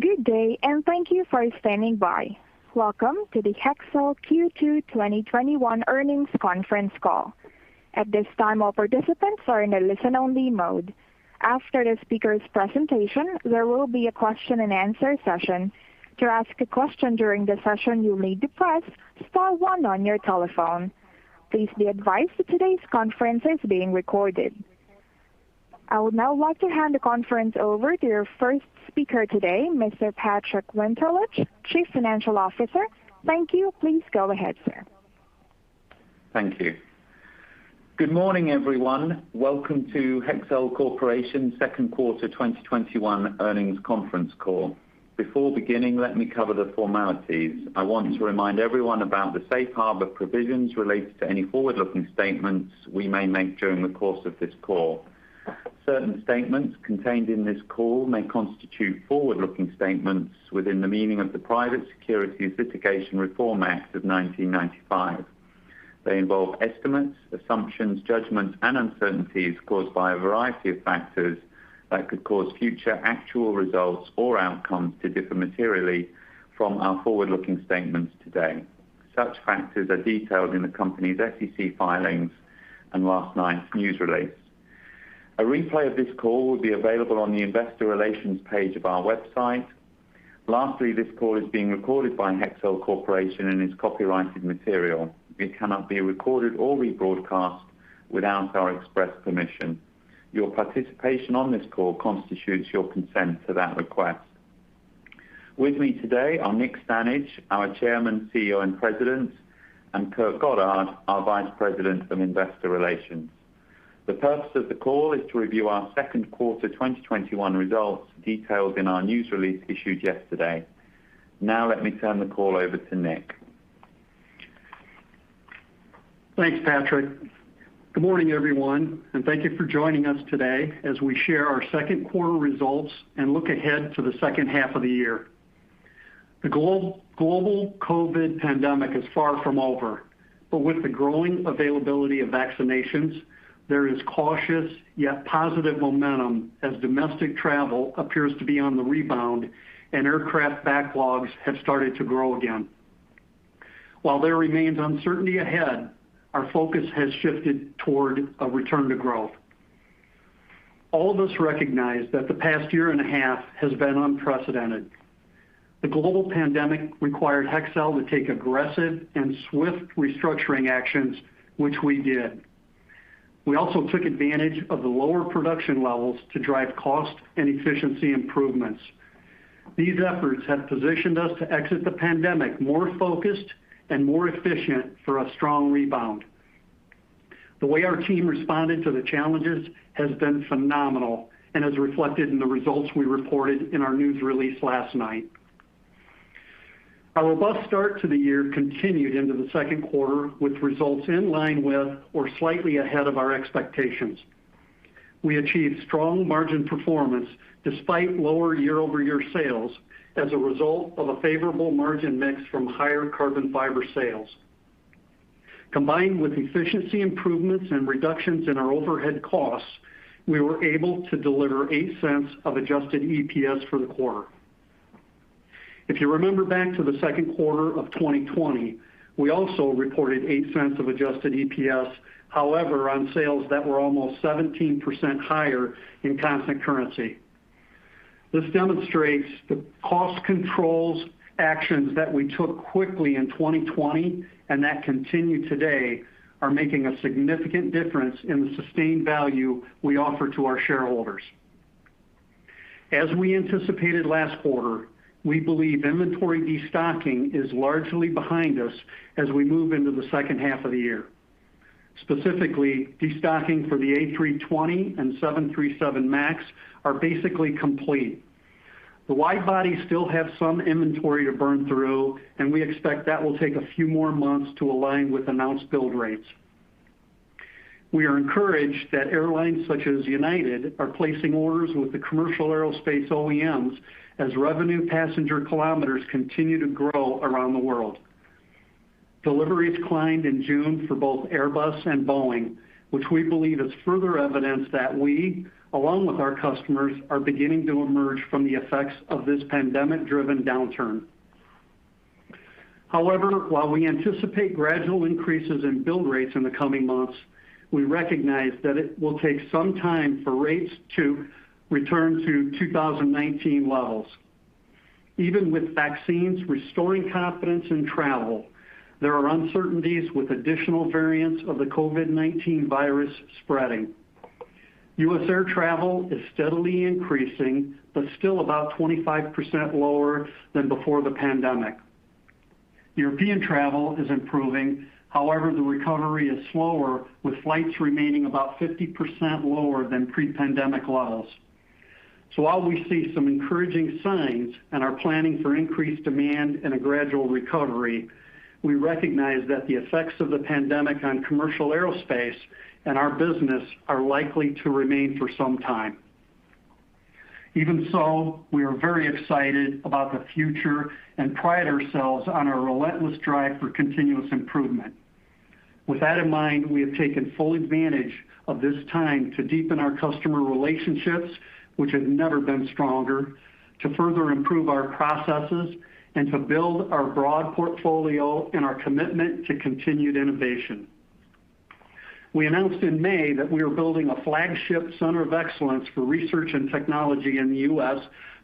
Good day, and thank you for standing by. Welcome to the Hexcel Q2 2021 earnings conference call. At this time, all participants are in a listen-only mode. After the speaker's presentation, there will be a question and answer session. To ask a question during the session, you may press star one on your telephone. Please be advised today's conference is being recorded. I would now like to hand the conference over to your first speaker today, Mr. Patrick Winterlich, Chief Financial Officer. Thank you. Please go ahead, sir. Thank you. Good morning, everyone. Welcome to Hexcel Corporation second quarter 2021 earnings conference call. Before beginning, let me cover the formalities. I want to remind everyone about the safe harbor provisions related to any forward-looking statements we may make during the course of this call. Certain statements contained in this call may constitute forward-looking statements within the meaning of the Private Securities Litigation Reform Act of 1995. They involve estimates, assumptions, judgments, and uncertainties caused by a variety of factors that could cause future actual results or outcomes to differ materially from our forward-looking statements today. Such factors are detailed in the company's SEC filings and last night's news release. A replay of this call will be available on the investor relations page of our website. Lastly, this call is being recorded by Hexcel Corporation and is copyrighted material. It cannot be recorded or rebroadcast without our express permission. Your participation on this call constitutes your consent to that request. With me today are Nick Stanage, our Chairman, CEO, and President, and Kurt Goddard, our Vice President of Investor Relations. The purpose of the call is to review our second quarter 2021 results detailed in our news release issued yesterday. Now let me turn the call over to Nick. Thanks, Patrick. Good morning, everyone. Thank you for joining us today as we share our second quarter results and look ahead to the second half of the year. The global COVID pandemic is far from over, with the growing availability of vaccinations, there is cautious yet positive momentum as domestic travel appears to be on the rebound and aircraft backlogs have started to grow again. While there remains uncertainty ahead, our focus has shifted toward a return to growth. All of us recognize that the past year and a half has been unprecedented. The global pandemic required Hexcel to take aggressive and swift restructuring actions, which we did. We also took advantage of the lower production levels to drive cost and efficiency improvements. These efforts have positioned us to exit the pandemic more focused and more efficient for a strong rebound. The way our team responded to the challenges has been phenomenal and is reflected in the results we reported in our news release last night. Our robust start to the year continued into the second quarter with results in line with or slightly ahead of our expectations. We achieved strong margin performance despite lower year-over-year sales as a result of a favorable margin mix from higher carbon fiber sales. Combined with efficiency improvements and reductions in our overhead costs, we were able to deliver $0.08 of adjusted EPS for the quarter. If you remember back to the second quarter of 2020, we also reported $0.08 of adjusted EPS, however, on sales that were almost 17% higher in constant currency. This demonstrates the cost controls actions that we took quickly in 2020 and that continue today are making a significant difference in the sustained value we offer to our shareholders. As we anticipated last quarter, we believe inventory destocking is largely behind us as we move into the second half of the year. Specifically, destocking for the A320 and 737 MAX are basically complete. The wide bodies still have some inventory to burn through, and we expect that will take a few more months to align with announced build rates. We are encouraged that airlines such as United are placing orders with the commercial aerospace OEMs as revenue passenger kilometers continue to grow around the world. Deliveries climbed in June for both Airbus and Boeing, which we believe is further evidence that we, along with our customers, are beginning to emerge from the effects of this pandemic-driven downturn. While we anticipate gradual increases in build rates in the coming months, we recognize that it will take some time for rates to return to 2019 levels. Even with vaccines restoring confidence in travel, there are uncertainties with additional variants of the COVID-19 virus spreading. U.S. air travel is steadily increasing, but still about 25% lower than before the pandemic. European travel is improving. However, the recovery is slower, with flights remaining about 50% lower than pre-pandemic levels. While we see some encouraging signs and are planning for increased demand and a gradual recovery, we recognize that the effects of the pandemic on commercial aerospace and our business are likely to remain for some time. Even so, we are very excited about the future and pride ourselves on our relentless drive for continuous improvement. With that in mind, we have taken full advantage of this time to deepen our customer relationships, which have never been stronger, to further improve our processes, and to build our broad portfolio and our commitment to continued innovation. We announced in May that we are building a flagship center of excellence for research and technology in the U.S.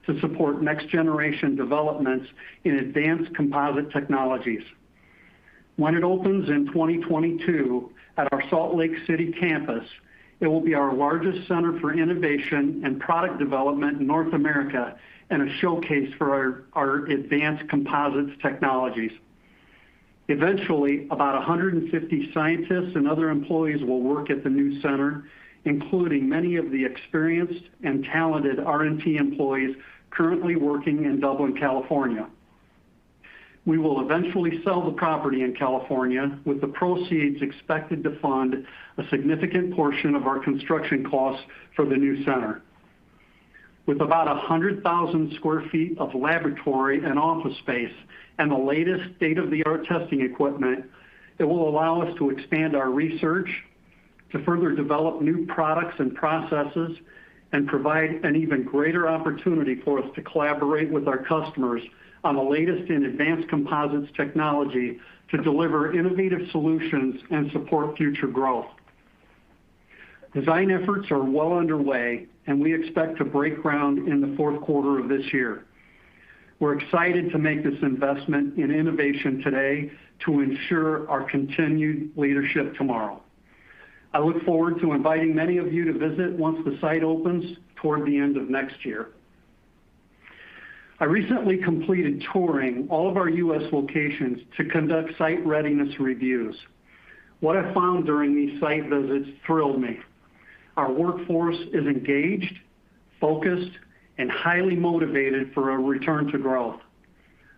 to support next-generation developments in advanced composite technologies. When it opens in 2022 at our Salt Lake City campus, it will be our largest center for innovation and product development in North America and a showcase for our advanced composites technologies. Eventually, about 150 scientists and other employees will work at the new center, including many of the experienced and talented R&T employees currently working in Dublin, California. We will eventually sell the property in California, with the proceeds expected to fund a significant portion of our construction costs for the new center. With about 100,000 sq ft of laboratory and office space and the latest state-of-the-art testing equipment, it will allow us to expand our research to further develop new products and processes and provide an even greater opportunity for us to collaborate with our customers on the latest in advanced composites technology to deliver innovative solutions and support future growth. Design efforts are well underway. We expect to break ground in the fourth quarter of this year. We're excited to make this investment in innovation today to ensure our continued leadership tomorrow. I look forward to inviting many of you to visit once the site opens toward the end of next year. I recently completed touring all of our U.S. locations to conduct site readiness reviews. What I found during these site visits thrilled me. Our workforce is engaged, focused, and highly motivated for a return to growth.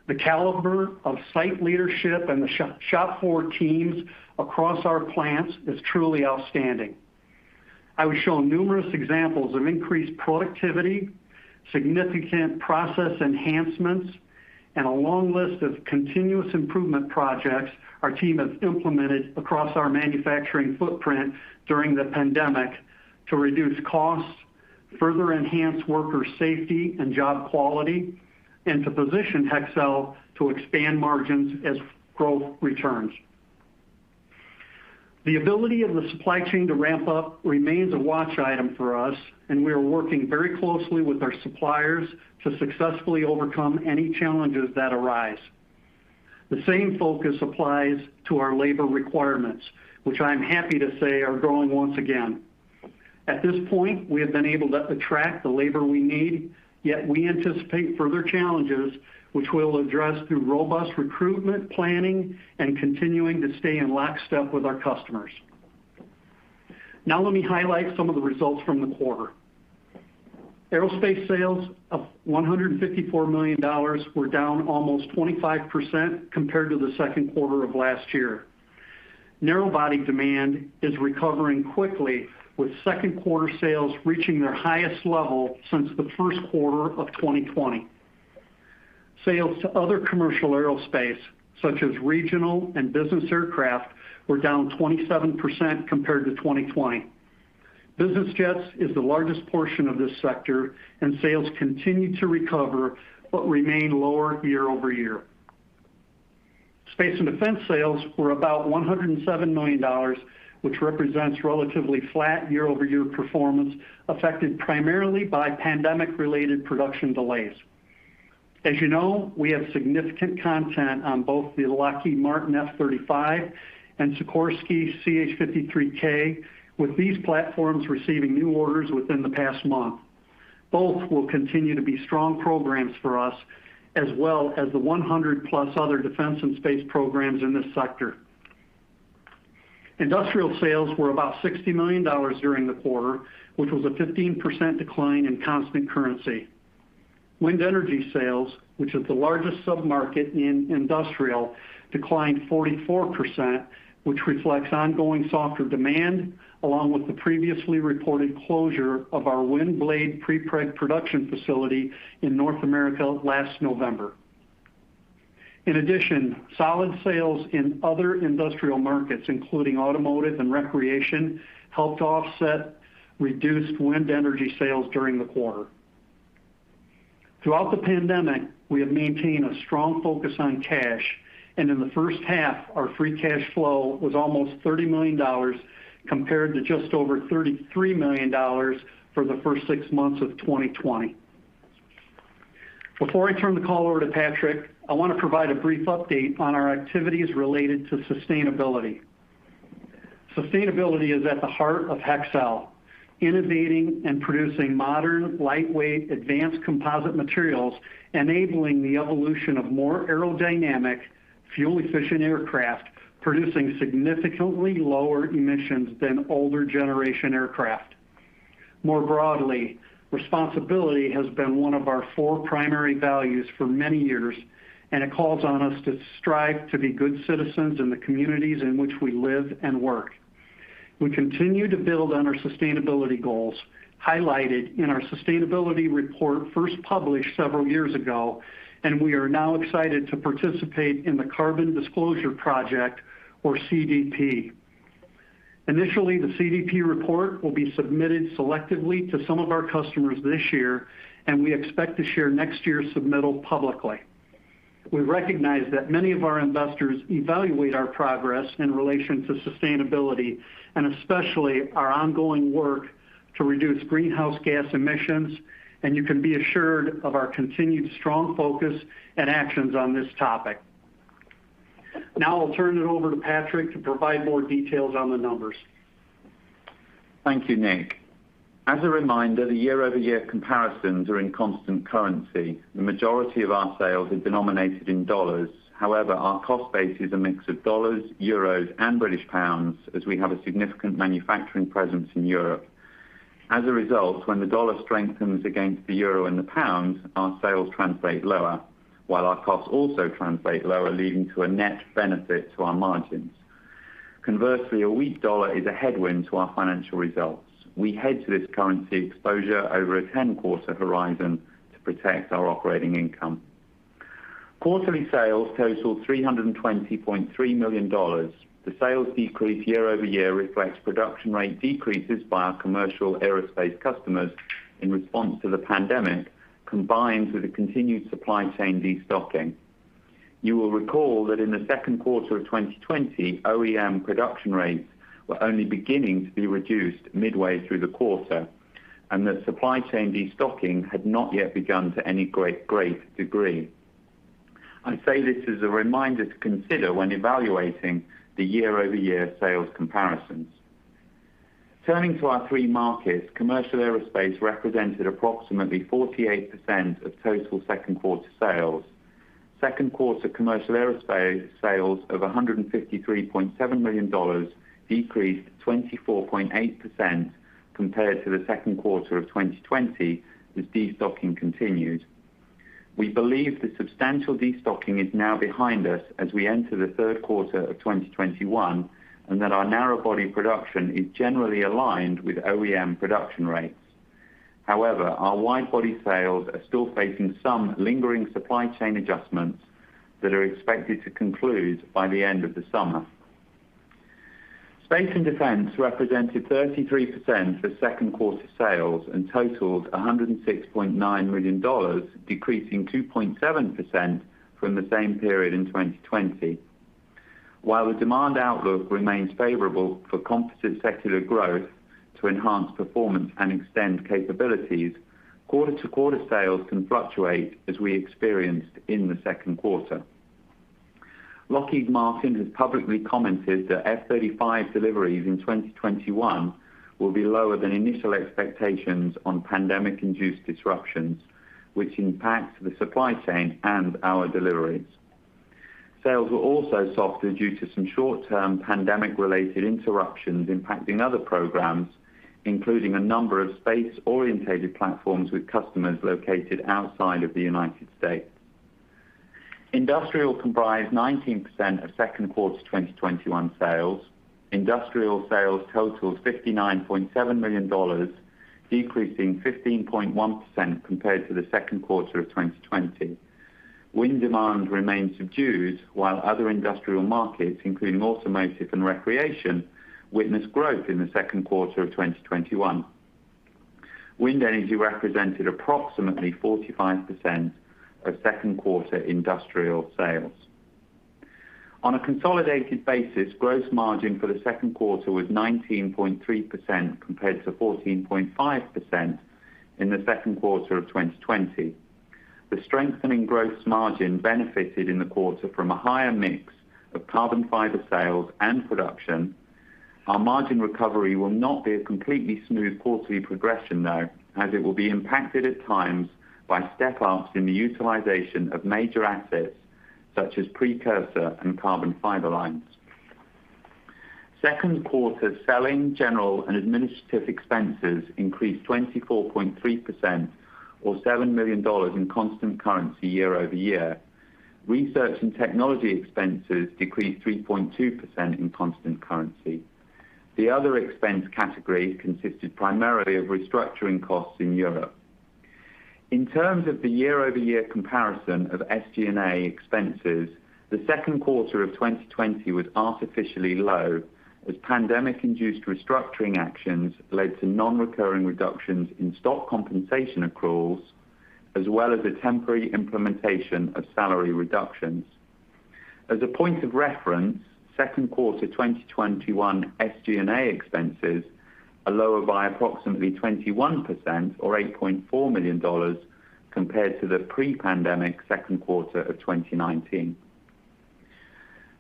The caliber of site leadership and the shop floor teams across our plants is truly outstanding. I was shown numerous examples of increased productivity, significant process enhancements, and a long list of continuous improvement projects our team has implemented across our manufacturing footprint during the pandemic to reduce costs, further enhance worker safety and job quality, and to position Hexcel to expand margins as growth returns. The ability of the supply chain to ramp up remains a watch item for us, and we are working very closely with our suppliers to successfully overcome any challenges that arise. The same focus applies to our labor requirements, which I am happy to say are growing once again. At this point, we have been able to attract the labor we need, yet we anticipate further challenges, which we'll address through robust recruitment planning and continuing to stay in lockstep with our customers. Now let me highlight some of the results from the quarter. Aerospace sales of $154 million were down almost 25% compared to the second quarter of last year. Narrow-body demand is recovering quickly, with second quarter sales reaching their highest level since the first quarter of 2020. Sales to other commercial aerospace, such as regional and business aircraft, were down 27% compared to 2020. Business jets is the largest portion of this sector, and sales continue to recover but remain lower year-over-year. Space and defense sales were about $107 million, which represents relatively flat year-over-year performance affected primarily by pandemic-related production delays. As you know, we have significant content on both the Lockheed Martin F-35 and Sikorsky CH-53K, with these platforms receiving new orders within the past month. Both will continue to be strong programs for us, as well as the 100+ other defense and space programs in this sector. Industrial sales were about $60 million during the quarter, which was a 15% decline in constant currency. Wind energy sales, which is the largest sub-market in industrial, declined 44%, which reflects ongoing softer demand, along with the previously reported closure of our wind blade prepreg production facility in North America last November. In addition, solid sales in other industrial markets, including automotive and recreation, helped offset reduced wind energy sales during the quarter. Throughout the pandemic, we have maintained a strong focus on cash, and in the first half, our free cash flow was almost $30 million compared to just over $33 million for the first six months of 2020. Before I turn the call over to Patrick, I want to provide a brief update on our activities related to sustainability. Sustainability is at the heart of Hexcel. Innovating and producing modern, lightweight, advanced composite materials, enabling the evolution of more aerodynamic, fuel-efficient aircraft, producing significantly lower emissions than older generation aircraft. More broadly, responsibility has been one of our four primary values for many years, and it calls on us to strive to be good citizens in the communities in which we live and work. We continue to build on our sustainability goals highlighted in our sustainability report, first published several years ago, and we are now excited to participate in the Carbon Disclosure Project, or CDP. Initially, the CDP report will be submitted selectively to some of our customers this year, and we expect to share next year's submittal publicly. We recognize that many of our investors evaluate our progress in relation to sustainability, and especially our ongoing work to reduce greenhouse gas emissions, and you can be assured of our continued strong focus and actions on this topic. Now I'll turn it over to Patrick to provide more details on the numbers. Thank you, Nick. As a reminder, the year-over-year comparisons are in constant currency. The majority of our sales have been denominated in dollars. Our cost base is a mix of dollars, euros, and British pounds as we have a significant manufacturing presence in Europe. When the dollar strengthens against the euro and the pound, our sales translate lower while our costs also translate lower, leading to a net benefit to our margins. Conversely, a weak dollar is a headwind to our financial results. We hedge this currency exposure over a 10-quarter horizon to protect our operating income. Quarterly sales totaled $320.3 million. The sales decrease year-over-year reflects production rate decreases by our commercial aerospace customers in response to the pandemic, combined with a continued supply chain de-stocking. You will recall that in the second quarter of 2020, OEM production rates were only beginning to be reduced midway through the quarter, and that supply chain de-stocking had not yet begun to any great degree. I say this as a reminder to consider when evaluating the year-over-year sales comparisons. Turning to our three markets, commercial aerospace represented approximately 48% of total second quarter sales. Second quarter commercial aerospace sales of $153.7 million decreased 24.8% compared to the second quarter of 2020, with de-stocking continued. We believe the substantial de-stocking is now behind us as we enter the third quarter of 2021, and that our narrow-body production is generally aligned with OEM production rates. However, our wide-body sales are still facing some lingering supply chain adjustments that are expected to conclude by the end of the summer. Space and defense represented 33% of second-quarter sales and totaled $106.9 million, decreasing 2.7% from the same period in 2020. While the demand outlook remains favorable for composite secular growth to enhance performance and extend capabilities, quarter-to-quarter sales can fluctuate as we experienced in the second quarter. Lockheed Martin has publicly commented that F-35 deliveries in 2021 will be lower than initial expectations on pandemic-induced disruptions, which impacts the supply chain and our deliveries. Sales were also softer due to some short-term pandemic-related interruptions impacting other programs, including a number of space-orientated platforms with customers located outside of the United States. Industrial comprised 19% of second quarter 2021 sales. Industrial sales totaled $59.7 million, decreasing 15.1% compared to the second quarter of 2020. Wind demand remains subdued while other industrial markets, including automotive and recreation, witness growth in the second quarter of 2021. Wind energy represented approximately 45% of second quarter industrial sales. On a consolidated basis, gross margin for the second quarter was 19.3% compared to 14.5% in the second quarter of 2020. The strengthening gross margin benefited in the quarter from a higher mix of carbon fiber sales and production. Our margin recovery will not be a completely smooth quarterly progression, though, as it will be impacted at times by step-ups in the utilization of major assets such as precursor and carbon fiber lines. Second quarter selling, general, and administrative expenses increased 24.3%, or $7 million in constant currency year-over-year. Research and technology expenses decreased 3.2% in constant currency. The other expense category consisted primarily of restructuring costs in Europe. In terms of the year-over-year comparison of SG&A expenses, the second quarter of 2020 was artificially low as pandemic-induced restructuring actions led to non-recurring reductions in stock compensation accruals, as well as the temporary implementation of salary reductions. As a point of reference, second quarter 2021 SG&A expenses are lower by approximately 21%, or $8.4 million, compared to the pre-pandemic second quarter of 2019.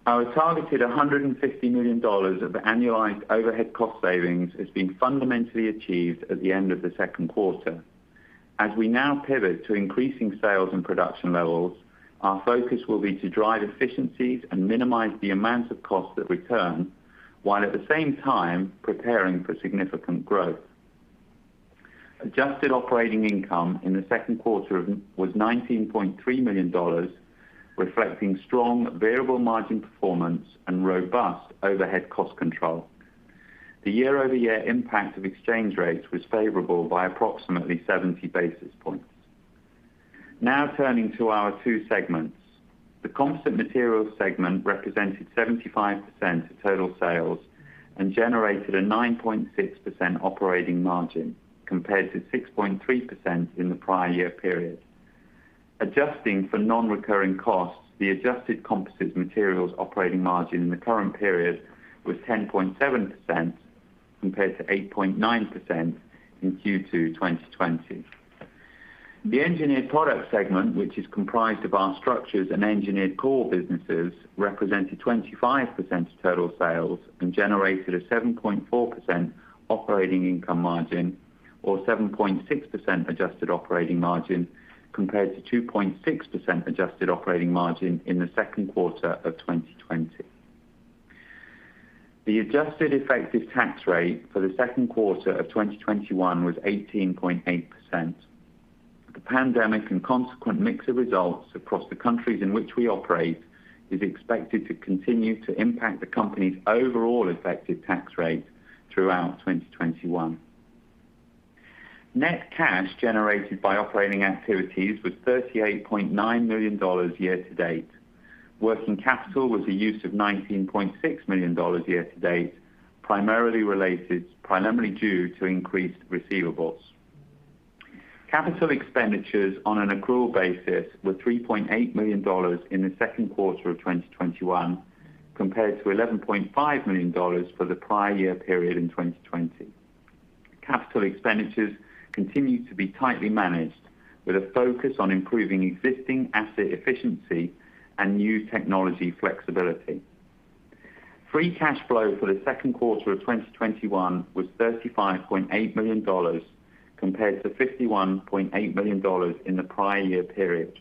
Our targeted $150 million of annualized overhead cost savings has been fundamentally achieved at the end of the second quarter. As we now pivot to increasing sales and production levels, our focus will be to drive efficiencies and minimize the amount of cost that we return, while at the same time preparing for significant growth. Adjusted operating income in the second quarter was $19.3 million, reflecting strong variable margin performance and robust overhead cost control. The year-over-year impact of exchange rates was favorable by approximately 70 basis points. Turning to our two segments. The Composite Materials segment represented 75% of total sales and generated a 9.6% operating margin, compared to 6.3% in the prior year period. Adjusting for non-recurring costs, the adjusted Composite Materials operating margin in the current period was 10.7%, compared to 8.9% in Q2 2020. The Engineered Products segment, which is comprised of our structures and engineered core businesses, represented 25% of total sales and generated a 7.4% operating income margin or 7.6% adjusted operating margin, compared to 2.6% adjusted operating margin in the second quarter of 2020. The adjusted effective tax rate for the second quarter of 2021 was 18.8%. The pandemic and consequent mix of results across the countries in which we operate is expected to continue to impact the company's overall effective tax rate throughout 2021. Net cash generated by operating activities was $38.9 million year-to-date. Working capital was a use of $19.6 million year-to-date, primarily due to increased receivables. Capital expenditures on an accrual basis were $3.8 million in the second quarter of 2021, compared to $11.5 million for the prior year period in 2020. Capital expenditures continue to be tightly managed with a focus on improving existing asset efficiency and new technology flexibility. Free cash flow for the second quarter of 2021 was $35.8 million, compared to $51.8 million in the prior year period.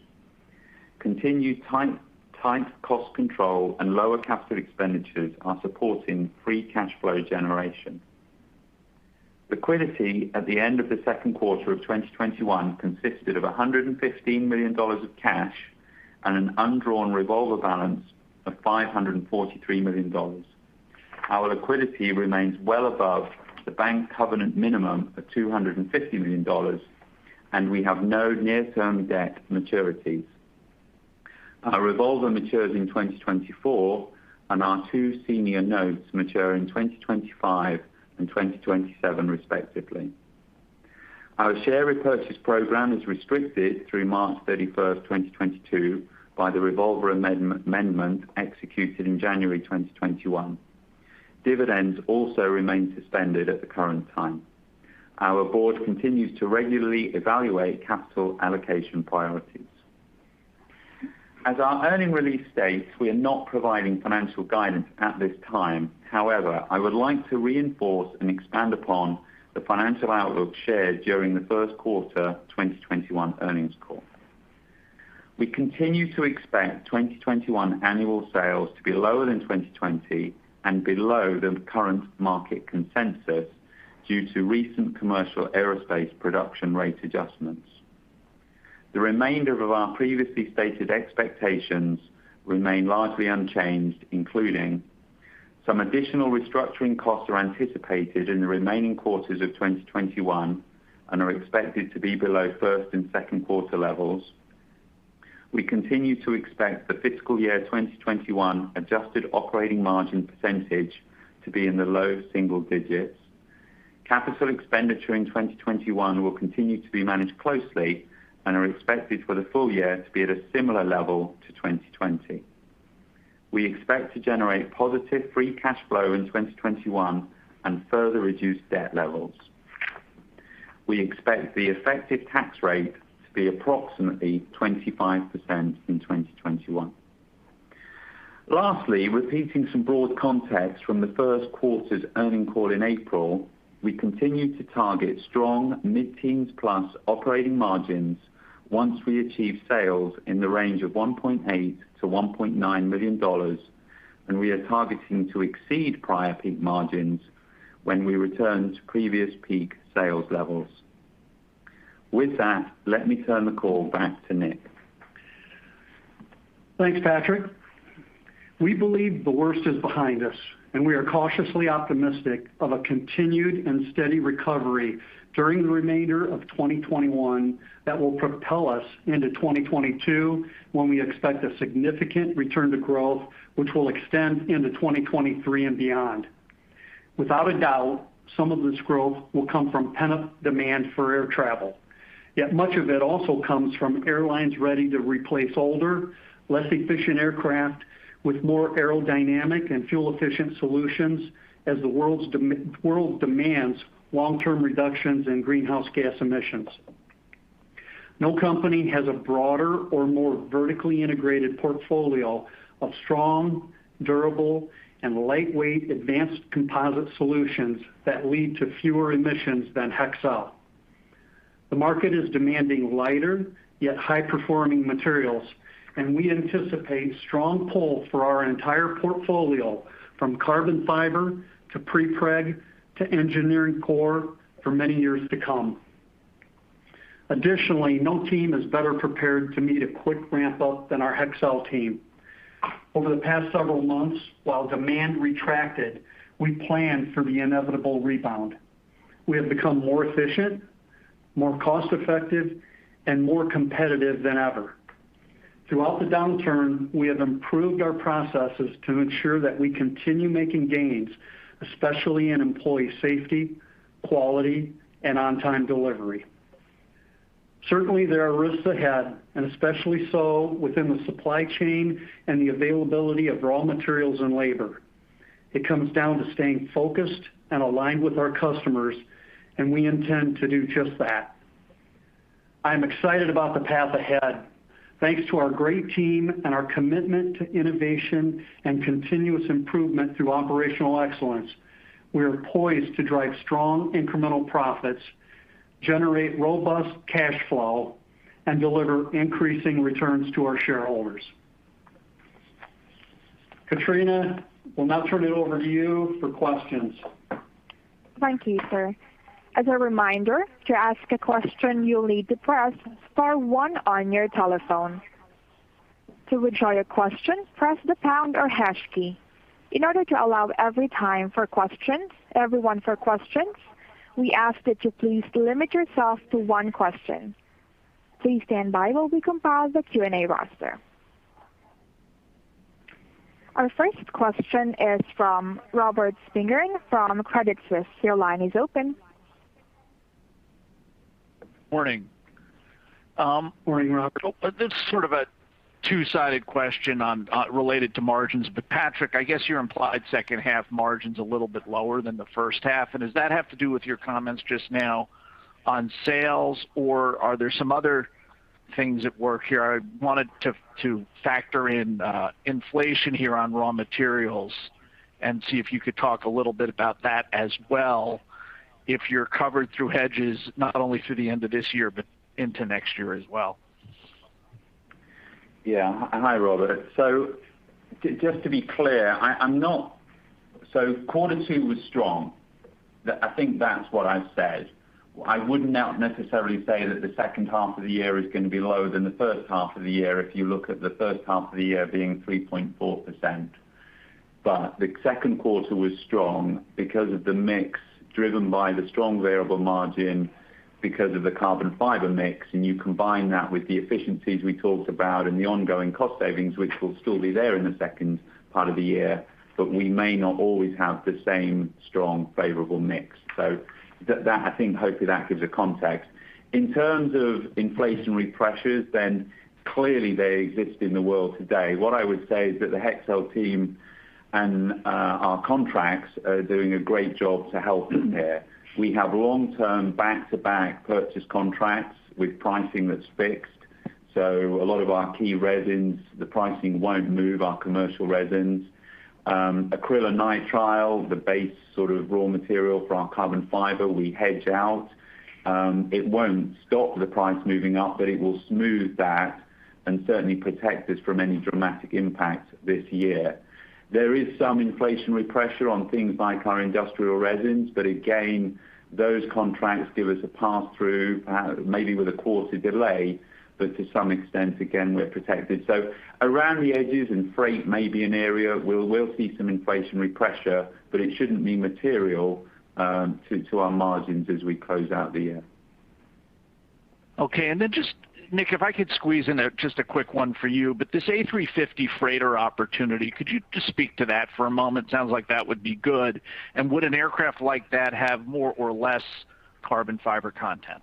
Continued tight cost control and lower capital expenditures are supporting free cash flow generation. Liquidity at the end of the second quarter of 2021 consisted of $115 million of cash and an undrawn revolver balance of $543 million. Our liquidity remains well above the bank covenant minimum of $250 million. We have no near-term debt maturities. Our revolver matures in 2024. Our two senior notes mature in 2025 and 2027, respectively. Our share repurchase program is restricted through March 31st, 2022, by the revolver amendment executed in January 2021. Dividends also remain suspended at the current time. Our board continues to regularly evaluate capital allocation priorities. As our earnings release states, we are not providing financial guidance at this time. However, I would like to reinforce and expand upon the financial outlook shared during the first quarter 2021 earnings call. We continue to expect 2021 annual sales to be lower than 2020 and below the current market consensus due to recent commercial aerospace production rate adjustments. The remainder of our previously stated expectations remain largely unchanged, including some additional restructuring costs are anticipated in the remaining quarters of 2021 and are expected to be below first and second quarter levels. We continue to expect the fiscal year 2021 adjusted operating margin percentage to be in the low single digits. Capital expenditure in 2021 will continue to be managed closely and are expected for the full year to be at a similar level to 2020. We expect to generate positive free cash flow in 2021 and further reduce debt levels. We expect the effective tax rate to be approximately 25% in 2021. Lastly, repeating some broad context from the first quarter's earnings call in April, we continue to target strong mid-teens plus operating margins once we achieve sales in the range of $1.8 million-$1.9 million. We are targeting to exceed prior peak margins when we return to previous peak sales levels. With that, let me turn the call back to Nick. Thanks, Patrick. We believe the worst is behind us, and we are cautiously optimistic of a continued and steady recovery during the remainder of 2021 that will propel us into 2022, when we expect a significant return to growth, which will extend into 2023 and beyond. Without a doubt, some of this growth will come from pent-up demand for air travel. Yet much of it also comes from airlines ready to replace older, less efficient aircraft with more aerodynamic and fuel-efficient solutions as the world demands long-term reductions in greenhouse gas emissions. No company has a broader or more vertically integrated portfolio of strong, durable, and lightweight advanced composite solutions that lead to fewer emissions than Hexcel. The market is demanding lighter, yet high-performing materials, and we anticipate strong pull for our entire portfolio, from carbon fiber to prepreg to engineered core for many years to come. Additionally, no team is better prepared to meet a quick ramp-up than our Hexcel team. Over the past several months, while demand retracted, we planned for the inevitable rebound. We have become more efficient, more cost-effective, and more competitive than ever. Throughout the downturn, we have improved our processes to ensure that we continue making gains, especially in employee safety, quality, and on-time delivery. Certainly, there are risks ahead, and especially so within the supply chain and the availability of raw materials and labor. It comes down to staying focused and aligned with our customers, and we intend to do just that. I am excited about the path ahead. Thanks to our great team and our commitment to innovation and continuous improvement through operational excellence, we are poised to drive strong incremental profits, generate robust cash flow, and deliver increasing returns to our shareholders. Katrina, we'll now turn it over to you for questions. Thank you, sir. As a reminder, to ask a question, you'll need to press star one on your telephone. To withdraw your question, press the pound or hash key. In order to allow every time for questions, everyone for questions, we ask that you please limit yourself to one question. Please stand by while we compile the Q&A roster. Our first question is from Robert Spingarn from Credit Suisse. Morning. Morning, Robert. This is sort of a two-sided question related to margins. Patrick, I guess you implied second half margin's a little bit lower than the first half, and does that have to do with your comments just now on sales, or are there some other things at work here? I wanted to factor in inflation here on raw materials and see if you could talk a little bit about that as well, if you're covered through hedges, not only through the end of this year, but into next year as well. Hi, Robert. Just to be clear, quarter two was strong. I think that's what I've said. I would not necessarily say that the second half of the year is going to be lower than the first half of the year if you look at the first half of the year being 3.4%. The second quarter was strong because of the mix driven by the strong variable margin because of the carbon fiber mix, and you combine that with the efficiencies we talked about and the ongoing cost savings, which will still be there in the second part of the year. We may not always have the same strong, favorable mix. I think hopefully that gives a context. In terms of inflationary pressures, clearly they exist in the world today. What I would say is that the Hexcel team and our contracts are doing a great job to help us here. We have long-term back-to-back purchase contracts with pricing that's fixed. A lot of our key resins, the pricing won't move our commercial resins. Acrylonitrile, the base raw material for our carbon fiber, we hedge out. It won't stop the price moving up, but it will smooth that and certainly protect us from any dramatic impact this year. There is some inflationary pressure on things like our industrial resins, but again, those contracts give us a pass-through, maybe with a quarter delay, but to some extent, again, we're protected. Around the edges in freight may be an area where we'll see some inflationary pressure, but it shouldn't be material to our margins as we close out the year. Okay. Just, Nick, if I could squeeze in just a quick one for you, but this A350 freighter opportunity, could you just speak to that for a moment? Sounds like that would be good. Would an aircraft like that have more or less carbon fiber content?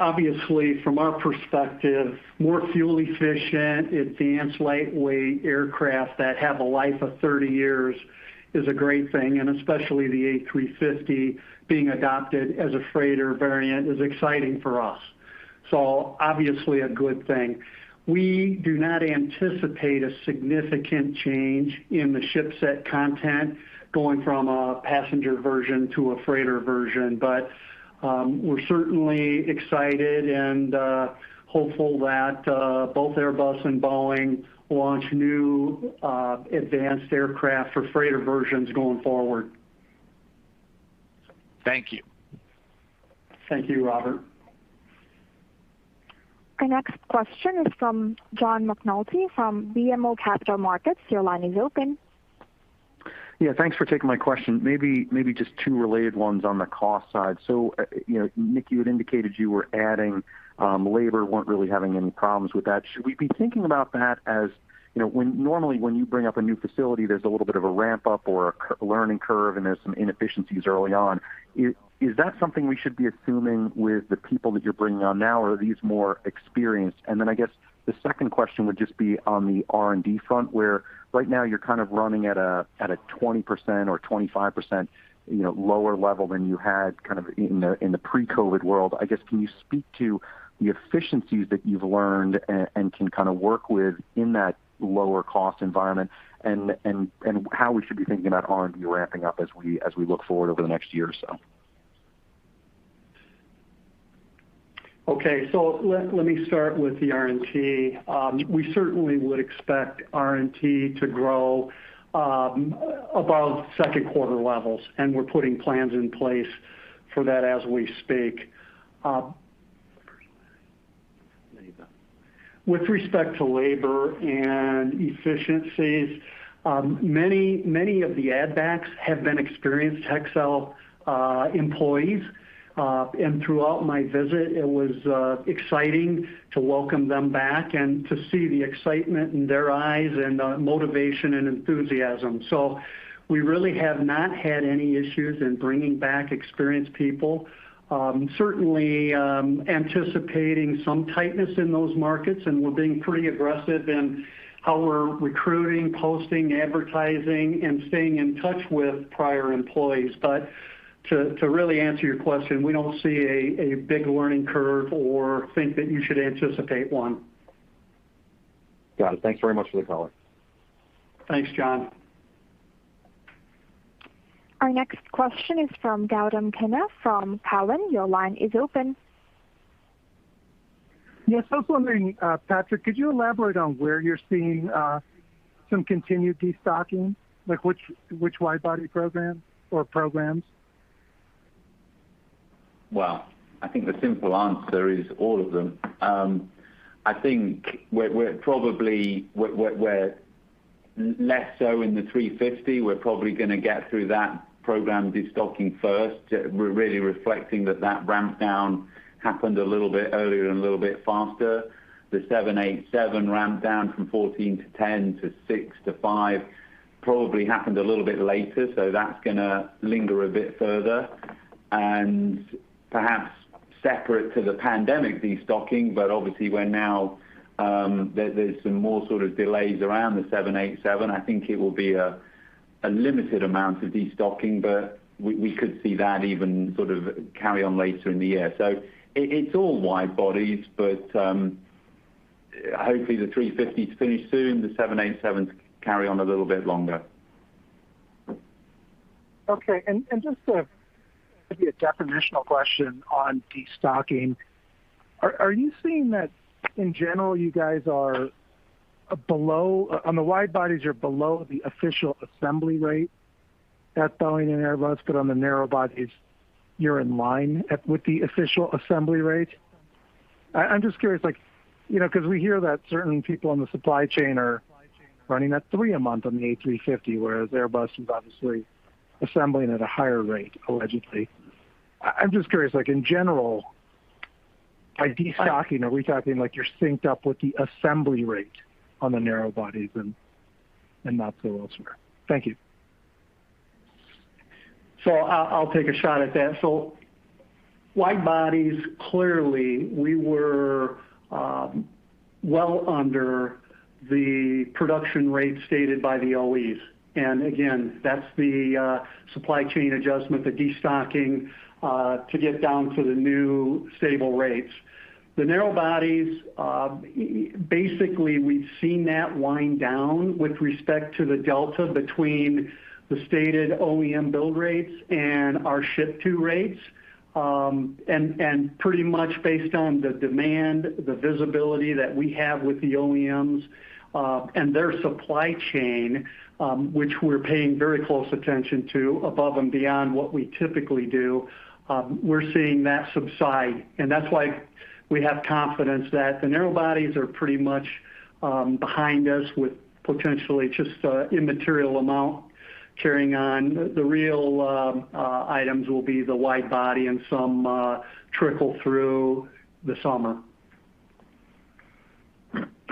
Obviously from our perspective, more fuel-efficient, advanced lightweight aircraft that have a life of 30 years is a great thing, and especially the A350 being adopted as a freighter variant is exciting for us. Obviously a good thing. We do not anticipate a significant change in the ship set content going from a passenger version to a freighter version. We're certainly excited and hopeful that both Airbus and Boeing launch new advanced aircraft for freighter versions going forward. Thank you. Thank you, Robert. Our next question is from John McNulty from BMO Capital Markets. Your line is open. Yeah, thanks for taking my question. Maybe just two related ones on the cost side. Nick, you had indicated you were adding labor, weren't really having any problems with that. Should we be thinking about that as, normally when you bring up a new facility, there's a little bit of a ramp-up or a learning curve, and there's some inefficiencies early on. Is that something we should be assuming with the people that you're bringing on now, or are these more experienced? Then I guess the second question would just be on the R&D front, where right now you're kind of running at a 20% or 25% lower level than you had kind of in the pre-COVID world. I guess, can you speak to the efficiencies that you've learned and can kind of work with in that lower cost environment, and how we should be thinking about R&D ramping up as we look forward over the next year or so? Okay. Let me start with the R&T. We certainly would expect R&T to grow above second quarter levels, and we're putting plans in place for that as we speak. With respect to labor and efficiencies, many of the add backs have been experienced Hexcel employees. Throughout my visit, it was exciting to welcome them back and to see the excitement in their eyes and motivation and enthusiasm. We really have not had any issues in bringing back experienced people. Certainly, anticipating some tightness in those markets, and we're being pretty aggressive in how we're recruiting, posting, advertising, and staying in touch with prior employees. To really answer your question, we don't see a big learning curve or think that you should anticipate one. Got it. Thanks very much for the color. Thanks, John. Our next question is from Gautam Khanna from Cowen. Your line is open. Yes. I was wondering, Patrick, could you elaborate on where you're seeing some continued destocking, like which wide body program or programs? I think the simple answer is all of them. I think we're less so in the A350. We're probably going to get through that program destocking first. We're really reflecting that ramp down happened a little bit earlier and a little bit faster. The 787 ramp down from 14 to 10 to six to five probably happened a little bit later, so that's going to linger a bit further. Perhaps separate to the pandemic destocking, but obviously where now there's some more sort of delays around the 787. I think it will be a limited amount of destocking, but we could see that even sort of carry on later in the year. It's all wide bodies, but hopefully the A350's finished soon, the 787s carry on a little bit longer. Just sort of maybe a definitional question on destocking. Are you seeing that, in general, you guys are below on the wide bodies, you're below the official assembly rate at Boeing and Airbus, but on the narrow bodies, you're in line at with the official assembly rate? I'm just curious, because we hear that certain people in the supply chain are running at three a month on the A350, whereas Airbus is obviously assembling at a higher rate, allegedly. I'm just curious, in general, by destocking, are we talking like you're synced up with the assembly rate on the narrow bodies and not so elsewhere? Thank you. I'll take a shot at that. Wide bodies, clearly we were well under the production rate stated by the OEMs. Again, that's the supply chain adjustment, the destocking, to get down to the new stable rates. The narrow bodies, basically we've seen that wind down with respect to the delta between the stated OEM build rates and our ship to rates. Pretty much based on the demand, the visibility that we have with the OEMs, and their supply chain, which we're paying very close attention to above and beyond what we typically do, we're seeing that subside. That's why we have confidence that the narrow bodies are pretty much behind us with potentially just an immaterial amount carrying on. The real items will be the wide body and some trickle through the summer.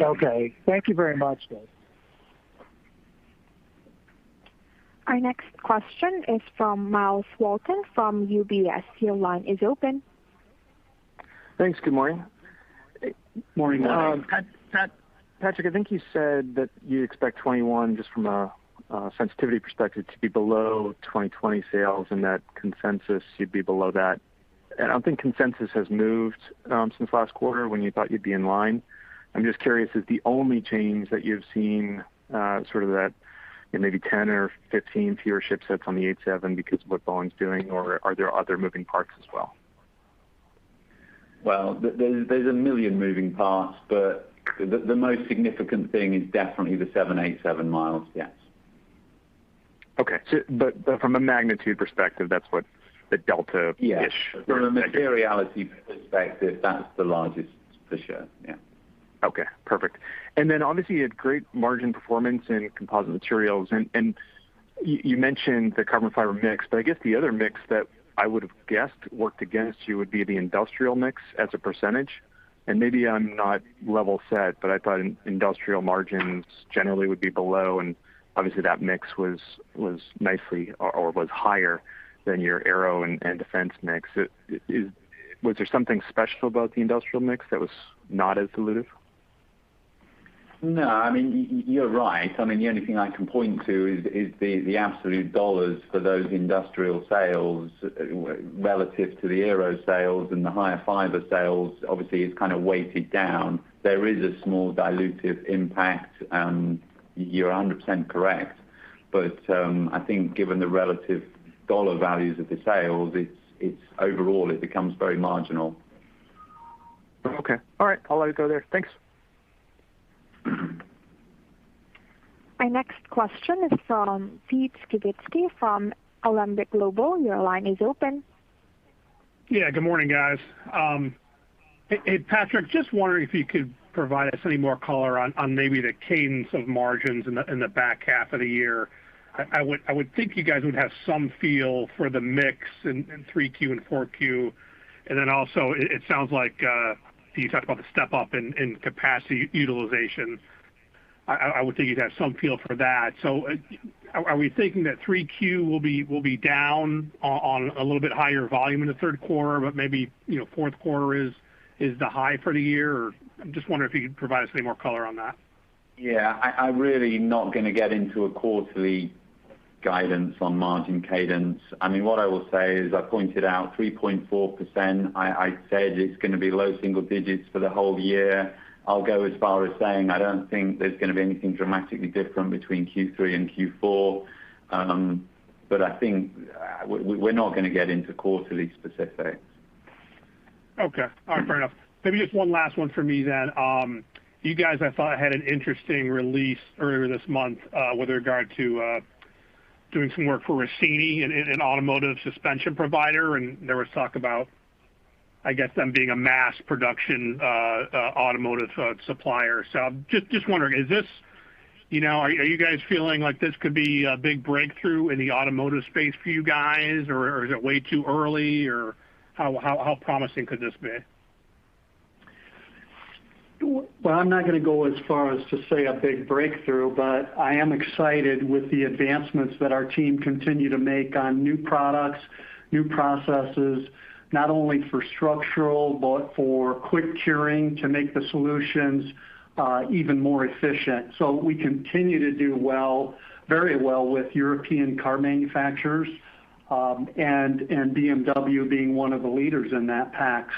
Okay. Thank you very much. Our next question is from Myles Walton from UBS. Your line is open. Thanks. Good morning. Morning. Patrick, I think you said that you expect 2021, just from a sensitivity perspective, to be below 2020 sales. That consensus you'd be below that. I don't think consensus has moved since last quarter when you thought you'd be in line. I'm just curious, is the only change that you've seen sort of that maybe 10 or 15 fewer ship sets on the 787 because of what Boeing's doing, or are there other moving parts as well? Well, there's a million moving parts, but the most significant thing is definitely the 787, Myles. Yes. Okay. From a magnitude perspective, that's what the. Yeah. From a materiality perspective, that's the largest for sure. Yeah. Okay. Perfect. Obviously you had great margin performance in Composite Materials, and you mentioned the carbon fiber mix, but I guess the other mix that I would've guessed worked against you would be the industrial mix as a percentage. I'm not level set, but I thought industrial margins generally would be below, and obviously that mix was nicely or was higher than your aero and defense mix. Was there something special about the industrial mix that was not as dilutive? No. You're right. The only thing I can point to is the absolute dollars for those industrial sales relative to the aero sales and the higher fiber sales. Obviously, it's kind of weighted down. There is a small dilutive impact, and you're 100% correct. I think given the relative dollar values of the sales, overall it becomes very marginal. Okay. All right. I'll let it go there. Thanks. My next question is from Pete Skibitski from Alembic Global. Your line is open. Good morning, guys. Hey, Patrick, just wondering if you could provide us any more color on maybe the cadence of margins in the back half of the year. I would think you guys would have some feel for the mix in 3Q and 4Q. It sounds like you talked about the step-up in capacity utilization. I would think you'd have some feel for that. Are we thinking that 3Q will be down on a little bit higher volume in the third quarter, but maybe fourth quarter is the high for the year? I'm just wondering if you could provide us any more color on that. Yeah, I'm really not going to get into a quarterly guidance on margin cadence. What I will say is, I pointed out 3.4%. I said it's going to be low single digits for the whole year. I'll go as far as saying, I don't think there's going to be anything dramatically different between Q3 and Q4. I think we're not going to get into quarterly specifics. Okay. All right, fair enough. Maybe just one last one for me. You guys, I thought, had an interesting release earlier this month, with regard to doing some work for Rassini, an automotive suspension provider. There was talk about, I guess, them being a mass production automotive supplier. Just wondering, are you guys feeling like this could be a big breakthrough in the automotive space for you guys, or is it way too early? How promising could this be? I'm not going to go as far as to say a big breakthrough, but I am excited with the advancements that our team continue to make on new products, new processes, not only for structural, but for quick curing to make the solutions even more efficient. We continue to do very well with European car manufacturers, and BMW being one of the leaders in that pack.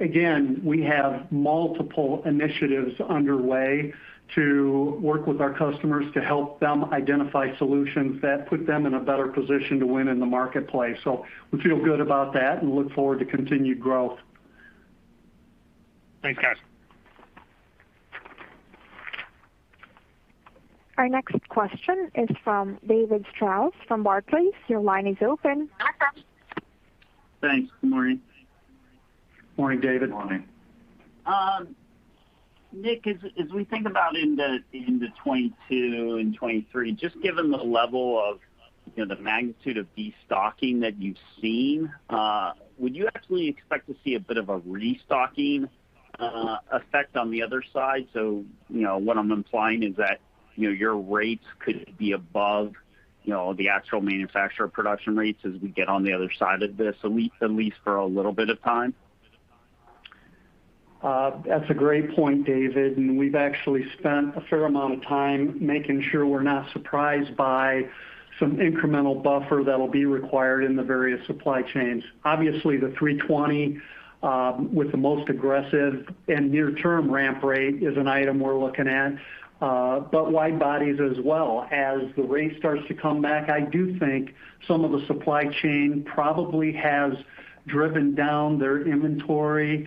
Again, we have multiple initiatives underway to work with our customers to help them identify solutions that put them in a better position to win in the marketplace. We feel good about that and look forward to continued growth. Thanks, guys. Our next question is from David Strauss from Barclays. Your line is open. Thanks. Good morning. Morning, David. Morning. Nick, as we think about into 2022 and 2023, just given the level of the magnitude of destocking that you've seen, would you actually expect to see a bit of a restocking effect on the other side? What I'm implying is that your rates could be above the actual manufacturer production rates as we get on the other side of this, at least for a little bit of time. That's a great point, David, and we've actually spent a fair amount of time making sure we're not surprised by some incremental buffer that'll be required in the various supply chains. Obviously, the A320, with the most aggressive and near-term ramp rate is an item we're looking at. Wide bodies as well. As the rate starts to come back, I do think some of the supply chain probably has driven down their inventory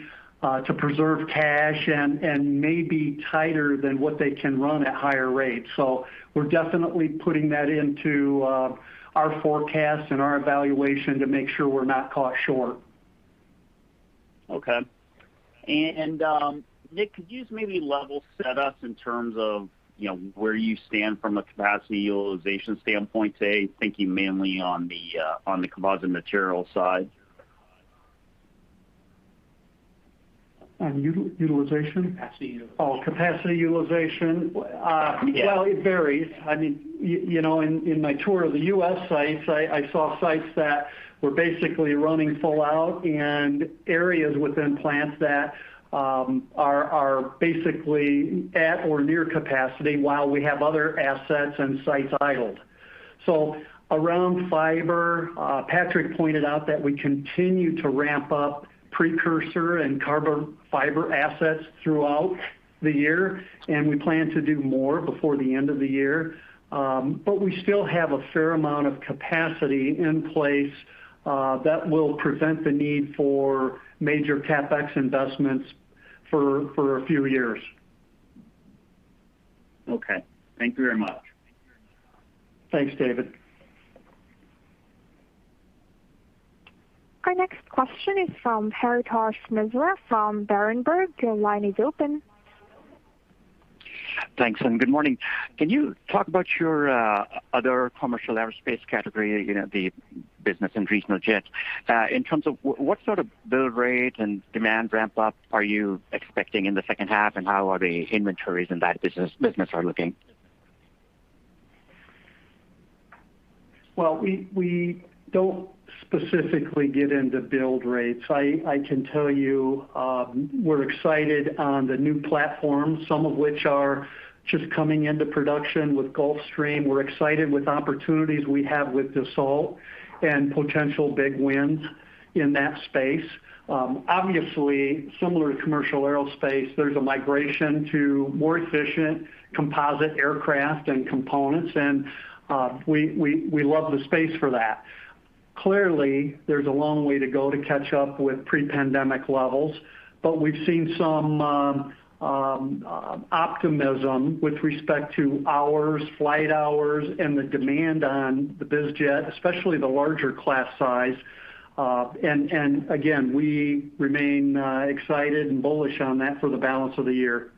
to preserve cash and may be tighter than what they can run at higher rates. We're definitely putting that into our forecast and our evaluation to make sure we're not caught short. Okay. Nick, could you maybe level set us in terms of where you stand from a capacity utilization standpoint today, thinking mainly on the Composite Materials side? On utilization? Capacity utilization. Oh, capacity utilization. Yes. Well, it varies. In my tour of the U.S. sites, I saw sites that were basically running full out and areas within plants that are basically at or near capacity while we have other assets and sites idled. Around fiber, Patrick pointed out that we continue to ramp up precursor and carbon fiber assets throughout the year, and we plan to do more before the end of the year. We still have a fair amount of capacity in place that will prevent the need for major CapEx investments for a few years. Okay. Thank you very much. Thanks, David. Our next question is from Paretosh Misra from Berenberg. Your line is open. Thanks. Good morning. Can you talk about your other commercial aerospace category, the business and regional jets, in terms of what sort of build rate and demand ramp-up are you expecting in the second half, and how are the inventories in that business are looking? Well, we don't specifically get into build rates. I can tell you we're excited on the new platforms, some of which are just coming into production with Gulfstream. We're excited with opportunities we have with Dassault and potential big wins in that space. Obviously, similar to commercial aerospace, there's a migration to more efficient composite aircraft and components, and we love the space for that. Clearly, there's a long way to go to catch up with pre-pandemic levels. We've seen some optimism with respect to hours, flight hours, and the demand on the biz jet, especially the larger class size. Again, we remain excited and bullish on that for the balance of the year.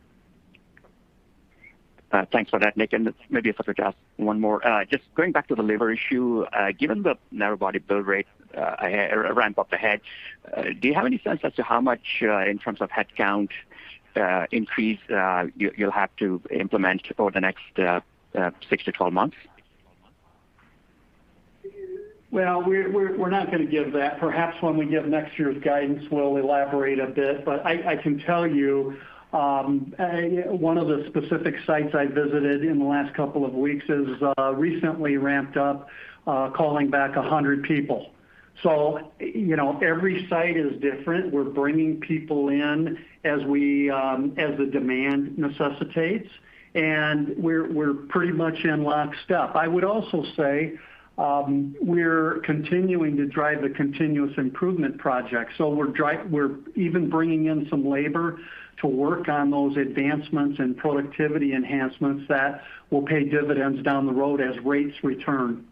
Thanks for that, Nick. Maybe if I could ask one more. Just going back to the labor issue, given the narrow body build rate ramp up ahead, do you have any sense as to how much, in terms of headcount increase, you'll have to implement over the next 6 to 12 months? Well, we're not going to give that. Perhaps when we give next year's guidance, we'll elaborate a bit. I can tell you, one of the specific sites I visited in the last couple of weeks has recently ramped up, calling back 100 people. Every site is different. We're bringing people in as the demand necessitates, and we're pretty much in lockstep. I would also say we're continuing to drive the continuous improvement project. We're even bringing in some labor to work on those advancements and productivity enhancements that will pay dividends down the road as rates return.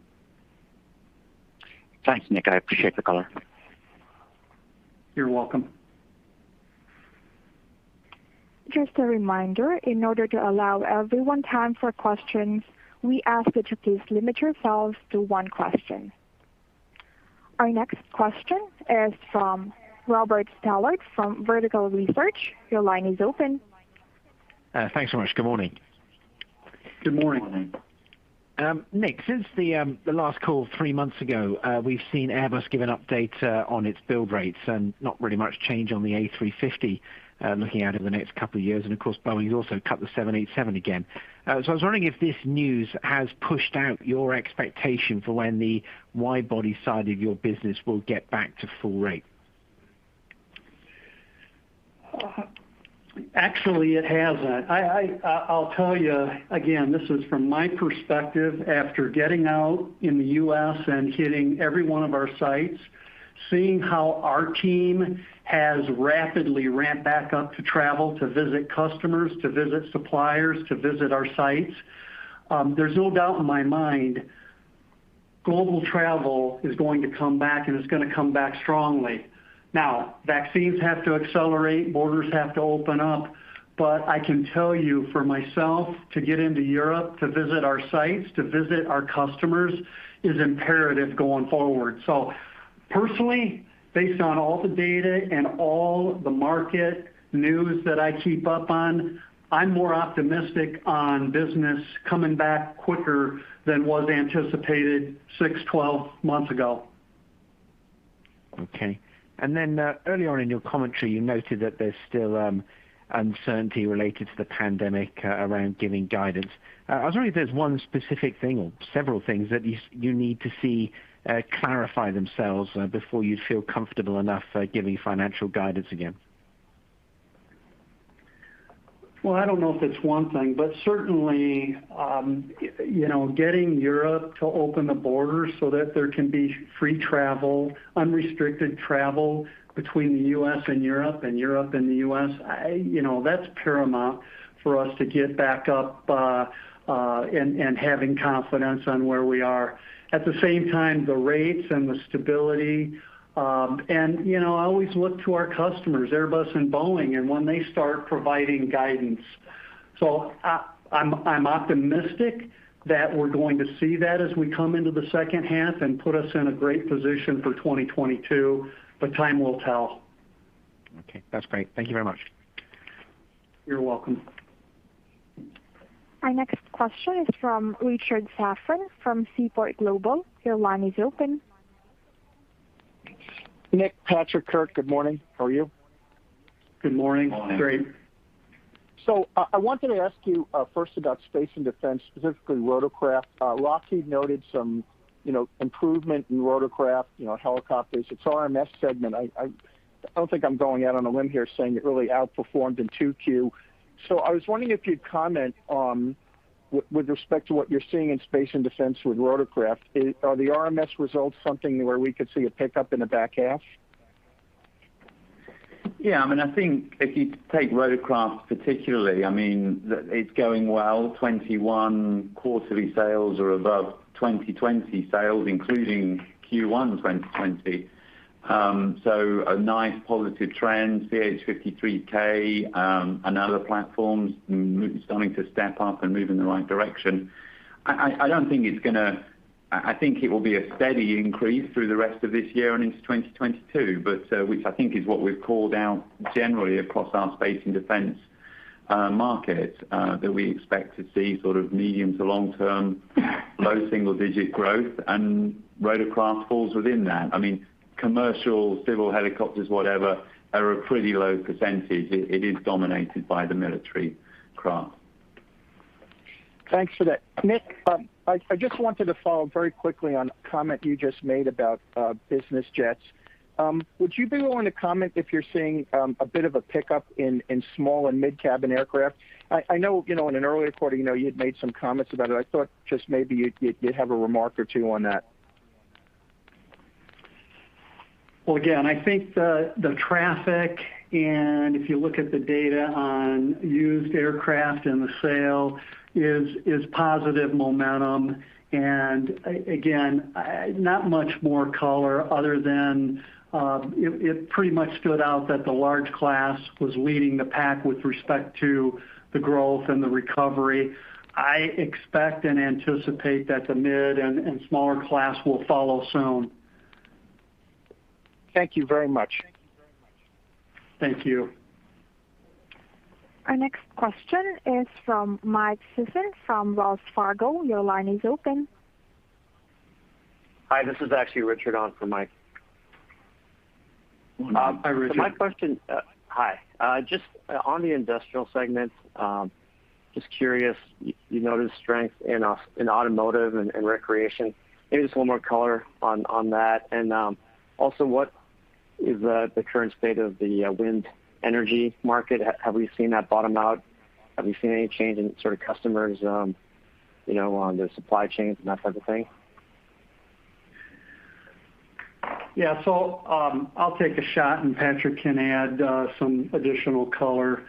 Thanks, Nick. I appreciate the color. You're welcome. Just a reminder, in order to allow everyone time for questions, we ask that you please limit yourselves to one question. Our next question is from Robert Stallard from Vertical Research. Thanks so much. Good morning. Good morning. Good morning. Nick, since the last call three months ago, we've seen Airbus give an update on its build rates, and not really much change on the A350 looking out in the next couple of years. Of course, Boeing's also cut the 787 again. I was wondering if this news has pushed out your expectation for when the wide-body side of your business will get back to full rate. Actually, it hasn't. I'll tell you, again, this is from my perspective after getting out in the U.S. and hitting every one of our sites, seeing how our team has rapidly ramped back up to travel to visit customers, to visit suppliers, to visit our sites. There's no doubt in my mind global travel is going to come back, and it's going to come back strongly. Vaccines have to accelerate, borders have to open up. I can tell you, for myself to get into Europe to visit our sites, to visit our customers, is imperative going forward. Personally, based on all the data and all the market news that I keep up on, I'm more optimistic on business coming back quicker than was anticipated 6 to 12 months ago. Okay. Earlier on in your commentary, you noted that there is still uncertainty related to the pandemic around giving guidance. I was wondering if there is one specific thing or several things that you need to see clarify themselves before you would feel comfortable enough giving financial guidance again? I don't know if it's one thing, but certainly getting Europe to open the border so that there can be free travel, unrestricted travel between the U.S. and Europe, and Europe and the U.S., that's paramount for us to get back up, and having confidence on where we are. At the same time, the rates and the stability, and I always look to our customers, Airbus and Boeing, and when they start providing guidance. I'm optimistic that we're going to see that as we come into the second half and put us in a great position for 2022, time will tell. Okay. That's great. Thank you very much. You're welcome. Our next question is from Richard Safran from Seaport Global. Your line is open. Nick, Patrick, Kurt. Good morning. How are you? Good morning. Morning. Great. I wanted to ask you first about space and defense, specifically rotorcraft. Lockheed noted some improvement in rotorcraft helicopters, its RMS segment. I don't think I'm going out on a limb here saying it really outperformed in 2Q. I was wondering if you'd comment on, with respect to what you're seeing in space and defense with rotorcraft, are the RMS results something where we could see a pickup in the back half? Yeah, I think if you take rotorcraft particularly, it's going well. 2021 quarterly sales are above 2020 sales, including Q1 2020. A nice positive trend. CH-53K, and other platforms starting to step up and move in the right direction. I think it will be a steady increase through the rest of this year and into 2022, which I think is what we've called out generally across our space and defense market, that we expect to see sort of medium to long-term, low single-digit growth, and rotorcraft falls within that. Commercial, civil helicopters, whatever, are a pretty low percentage. It is dominated by the military craft. Thanks for that. Nick, I just wanted to follow very quickly on a comment you just made about business jets. Would you be willing to comment if you're seeing a bit of a pickup in small and mid-cabin aircraft? I know in an earlier quarter, you had made some comments about it. I thought just maybe you'd have a remark or two on that. Well, again, I think the traffic, if you look at the data on used aircraft and the sale, is positive momentum. Again, not much more color other than, it pretty much stood out that the large class was leading the pack with respect to the growth and the recovery. I expect and anticipate that the mid and smaller class will follow soon. Thank you very much. Thank you. Our next question is from Mike Sison from Wells Fargo. Your line is open. Hi, this is actually Richard on for Mike. Hi, Richard. Hi. Just on the industrial segment, just curious, you noticed strength in automotive and recreation. Maybe just one more color on that. Also, what is the current state of the wind energy market? Have we seen that bottom out? Have you seen any change in sort of customers, on the supply chains and that type of thing? Yeah. I'll take a shot and Patrick can add some additional color.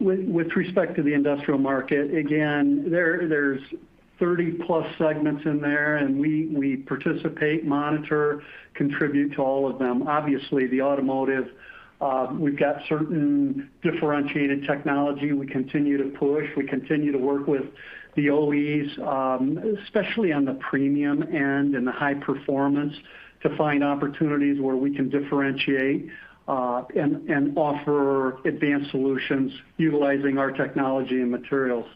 With respect to the industrial market, again, there's 30+ segments in there, and we participate, monitor, contribute to all of them. Obviously, the automotive, we've got certain differentiated technology we continue to push. We continue to work with the OEMs, especially on the premium end and the high performance, to find opportunities where we can differentiate, and offer advanced solutions utilizing our technology and materials.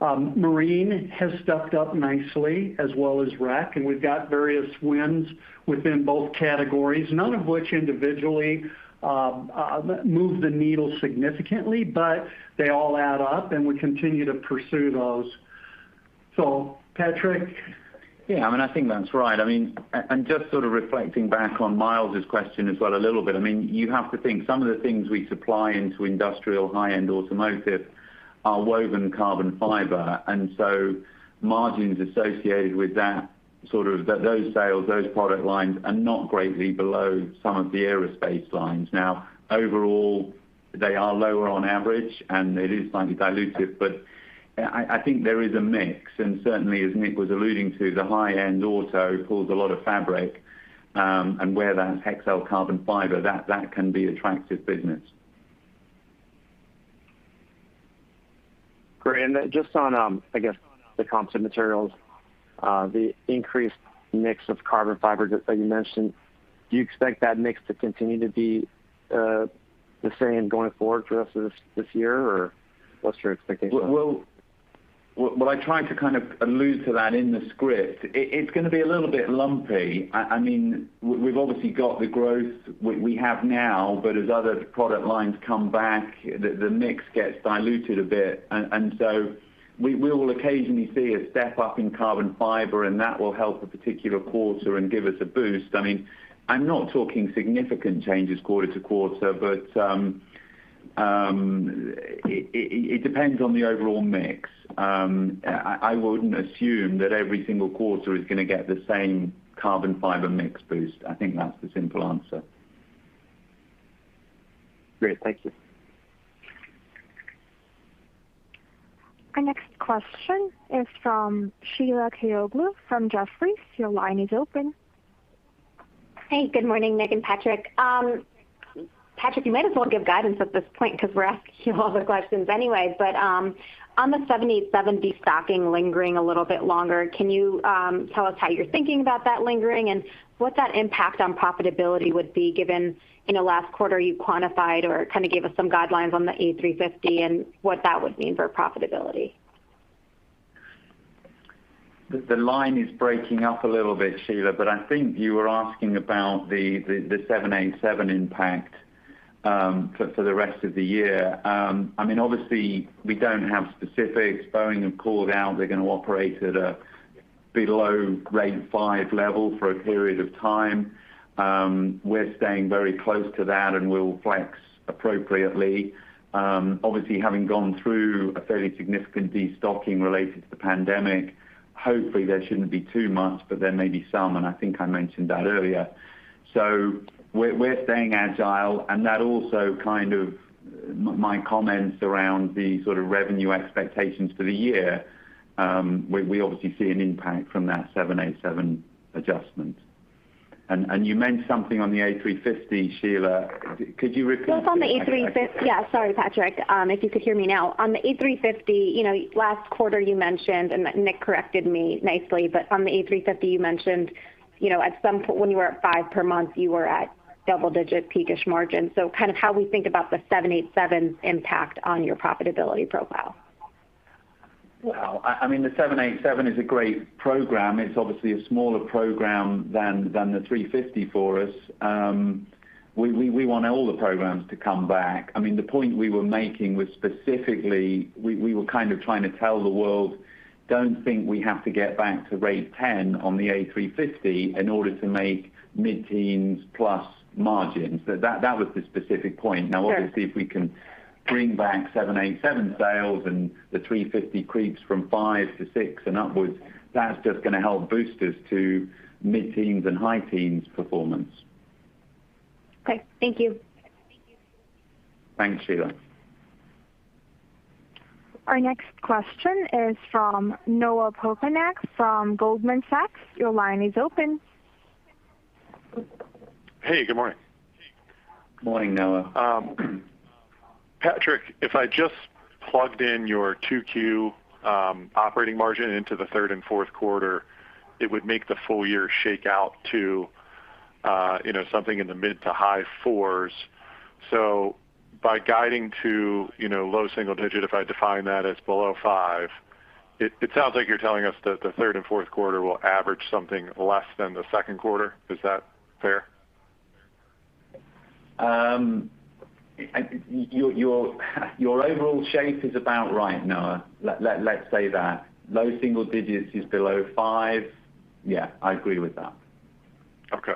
Marine has stepped up nicely as well as REC, and we've got various wins within both categories, none of which individually move the needle significantly, but they all add up, and we continue to pursue those. Patrick? Yeah, I think that's right. Just sort of reflecting back on Myles's question as well a little bit. You have to think, some of the things we supply into industrial high-end automotive are woven carbon fiber. Margins associated with those sales, those product lines, are not greatly below some of the aerospace lines. Overall, they are lower on average. It is slightly dilutive, but I think there is a mix. Certainly as Nick was alluding to, the high-end auto pulls a lot of fabric. Where that Hexcel carbon fiber, that can be attractive business. Great. Just on, I guess, the Composite Materials, the increased mix of carbon fiber that you mentioned, do you expect that mix to continue to be the same going forward for the rest of this year or what's your expectation? I tried to kind of allude to that in the script. It's going to be a little bit lumpy. We've obviously got the growth we have now, but as other product lines come back, the mix gets diluted a bit. We will occasionally see a step-up in carbon fiber, and that will help a particular quarter and give us a boost. I'm not talking significant changes quarter to quarter, but it depends on the overall mix. I wouldn't assume that every single quarter is going to get the same carbon fiber mix boost. I think that's the simple answer. Great. Thank you. Our next question is from Sheila Kahyaoglu from Jefferies. Your line is open. Hey, good morning, Nick and Patrick. Patrick, you might as well give guidance at this point because we're asking you all the questions anyway. On the 787 destocking lingering a little bit longer, can you tell us how you're thinking about that lingering and what that impact on profitability would be given last quarter you quantified or kind of gave us some guidelines on the A350 and what that would mean for profitability? The line is breaking up a little bit, Sheila. I think you were asking about the 787 impact for the rest of the year. Obviously, we don't have specifics. Boeing have called out they're going to operate at a below grade 5 level for a period of time. We're staying very close to that and we'll flex appropriately. Obviously, having gone through a fairly significant destocking related to the pandemic, hopefully there shouldn't be too much, but there may be some, and I think I mentioned that earlier. We're staying agile and that also kind of my comments around the sort of revenue expectations for the year, we obviously see an impact from that 787 adjustment. You mentioned something on the A350, Sheila. Could you repeat? Yeah, sorry, Patrick. If you could hear me now. On the A350, last quarter you mentioned, and Nick corrected me nicely, but on the A350, you mentioned, when you were at five per month, you were at double-digit peakish margin. Kind of how we think about the 787 impact on your profitability profile. Well, the 787 is a great program. It's obviously a smaller program than the A350 for us. We want all the programs to come back. The point we were making was specifically, we were kind of trying to tell the world, don't think we have to get back to rate 10 on the A350 in order to make mid-teens plus margins. That was the specific point. Okay. Obviously, if we can bring back 787 sales and the A350 creeps from five to six and upwards, that's just going to help boost us to mid-teens and high teens performance. Okay. Thank you. Thanks, Sheila. Our next question is from Noah Poponak from Goldman Sachs. Your line is open. Hey, good morning. Good morning, Noah. Patrick, if I just plugged in your 2Q operating margin into the third and fourth quarter, it would make the full year shake out to something in the mid to high fours. By guiding to low single digit, if I define that as below 5%, it sounds like you're telling us that the third and fourth quarter will average something less than the second quarter. Is that fair? Your overall shape is about right, Noah. Let's say that. Low single digits is below five. Yeah, I agree with that. Okay.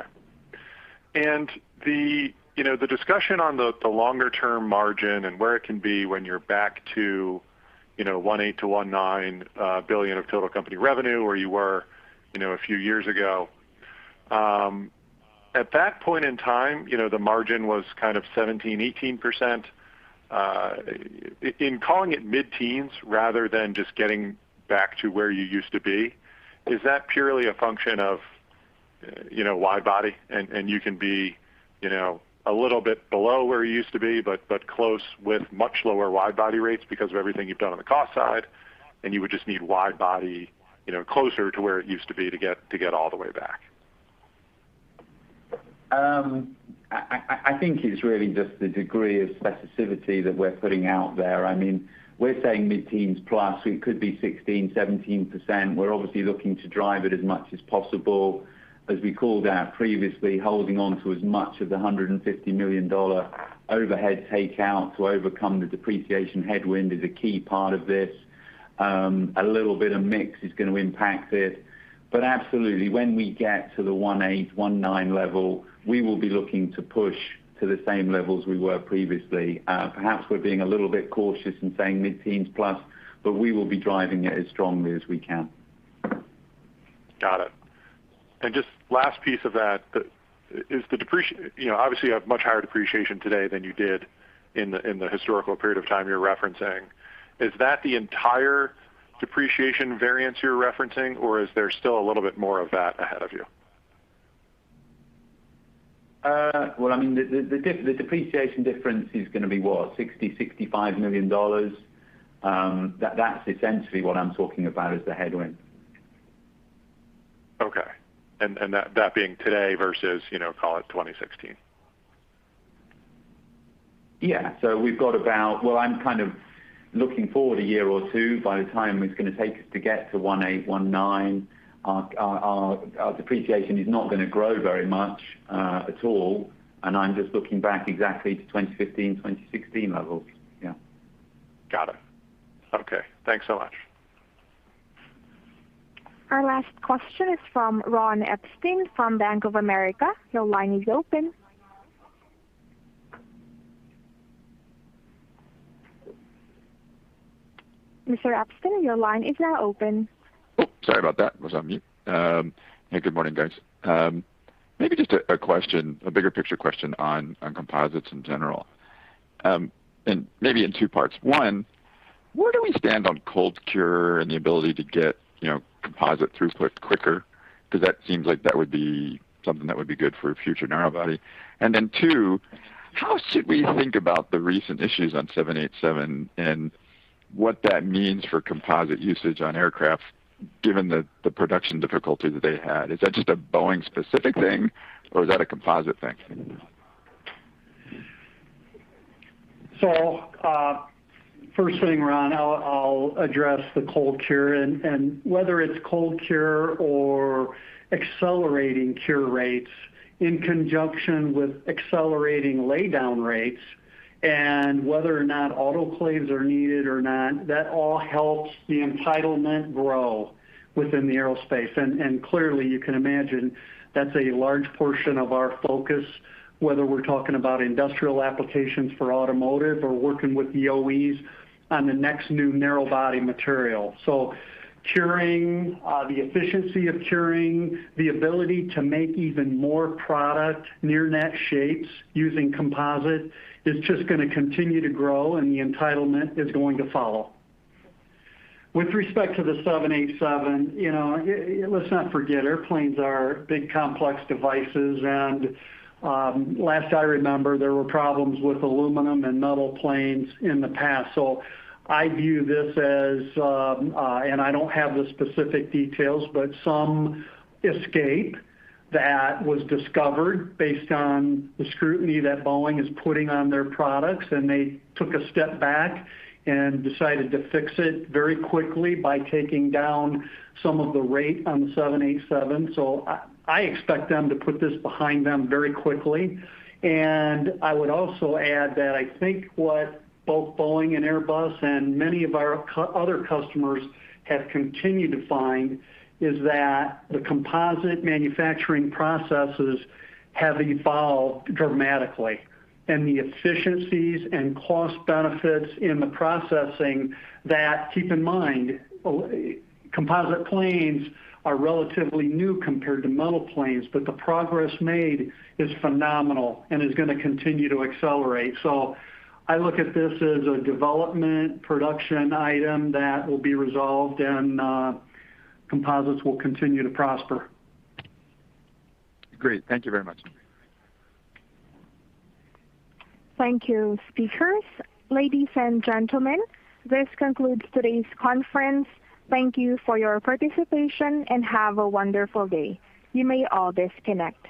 The discussion on the longer-term margin and where it can be when you're back to $1.8 billion-$1.9 billion of total company revenue where you were a few years ago. At that point in time, the margin was kind of 17%-18%. In calling it mid-teens rather than just getting back to where you used to be, is that purely a function of wide body and you can be a little bit below where you used to be, but close with much lower wide body rates because of everything you've done on the cost side, and you would just need wide body closer to where it used to be to get all the way back? I think it's really just the degree of specificity that we're putting out there. We're saying mid-teens plus, it could be 16% or 17%. We're obviously looking to drive it as much as possible. As we called out previously, holding on to as much of the $150 million overhead takeout to overcome the depreciation headwind is a key part of this. A little bit of mix is going to impact it. Absolutely, when we get to the 1.8-1.9 level, we will be looking to push to the same levels we were previously. Perhaps we're being a little bit cautious in saying mid-teens plus, but we will be driving it as strongly as we can. Got it. Just last piece of that, obviously, you have much higher depreciation today than you did in the historical period of time you're referencing. Is that the entire depreciation variance you're referencing, or is there still a little bit more of that ahead of you? Well, the depreciation difference is going to be what? $60 million-$65 million. That's essentially what I'm talking about as the headwind. Okay. That being today versus, call it 2016. Yeah. Well, I'm kind of looking forward a year or two. By the time it's going to take us to get to 1.8-1.9, our depreciation is not going to grow very much at all, and I'm just looking back exactly to 2015-2016 levels. Yeah. Got it. Okay. Thanks so much. Our last question is from Ron Epstein from Bank of America. Your line is open. Mr. Epstein, your line is now open. Oh, sorry about that. Was on mute. Hey, good morning, guys. Maybe just a bigger picture question on composites in general. Maybe in two parts. One, where do we stand on cold cure and the ability to get composite throughput quicker? That seems like that would be something that would be good for future narrow body. Two, how should we think about the recent issues on 787 and what that means for composite usage on aircraft, given the production difficulty that they had? Is that just a Boeing specific thing or is that a composite thing? First thing, Ron, I'll address the cold cure and whether it's cold cure or accelerating cure rates in conjunction with accelerating lay down rates and whether or not autoclaves are needed or not, that all helps the entitlement grow within the aerospace. Clearly, you can imagine that's a large portion of our focus, whether we're talking about industrial applications for automotive or working with the OEMs on the next new narrow-body material. Curing, the efficiency of curing, the ability to make even more product near net shapes using composite is just going to continue to grow, and the entitlement is going to follow. With respect to the 787, let's not forget, airplanes are big, complex devices, and last I remember, there were problems with aluminum and metal planes in the past. I view this as, and I don't have the specific details, but some escape that was discovered based on the scrutiny that Boeing is putting on their products, and they took a step back and decided to fix it very quickly by taking down some of the rate on the 787. I expect them to put this behind them very quickly. I would also add that I think what both Boeing and Airbus and many of our other customers have continued to find is that the composite manufacturing processes have evolved dramatically. The efficiencies and cost benefits in the processing that, keep in mind, composite planes are relatively new compared to metal planes, but the progress made is phenomenal and is going to continue to accelerate. I look at this as a development production item that will be resolved, and composites will continue to prosper. Great. Thank you very much. Thank you, speakers. Ladies and gentlemen, this concludes today's conference. Thank you for your participation, and have a wonderful day. You may all disconnect.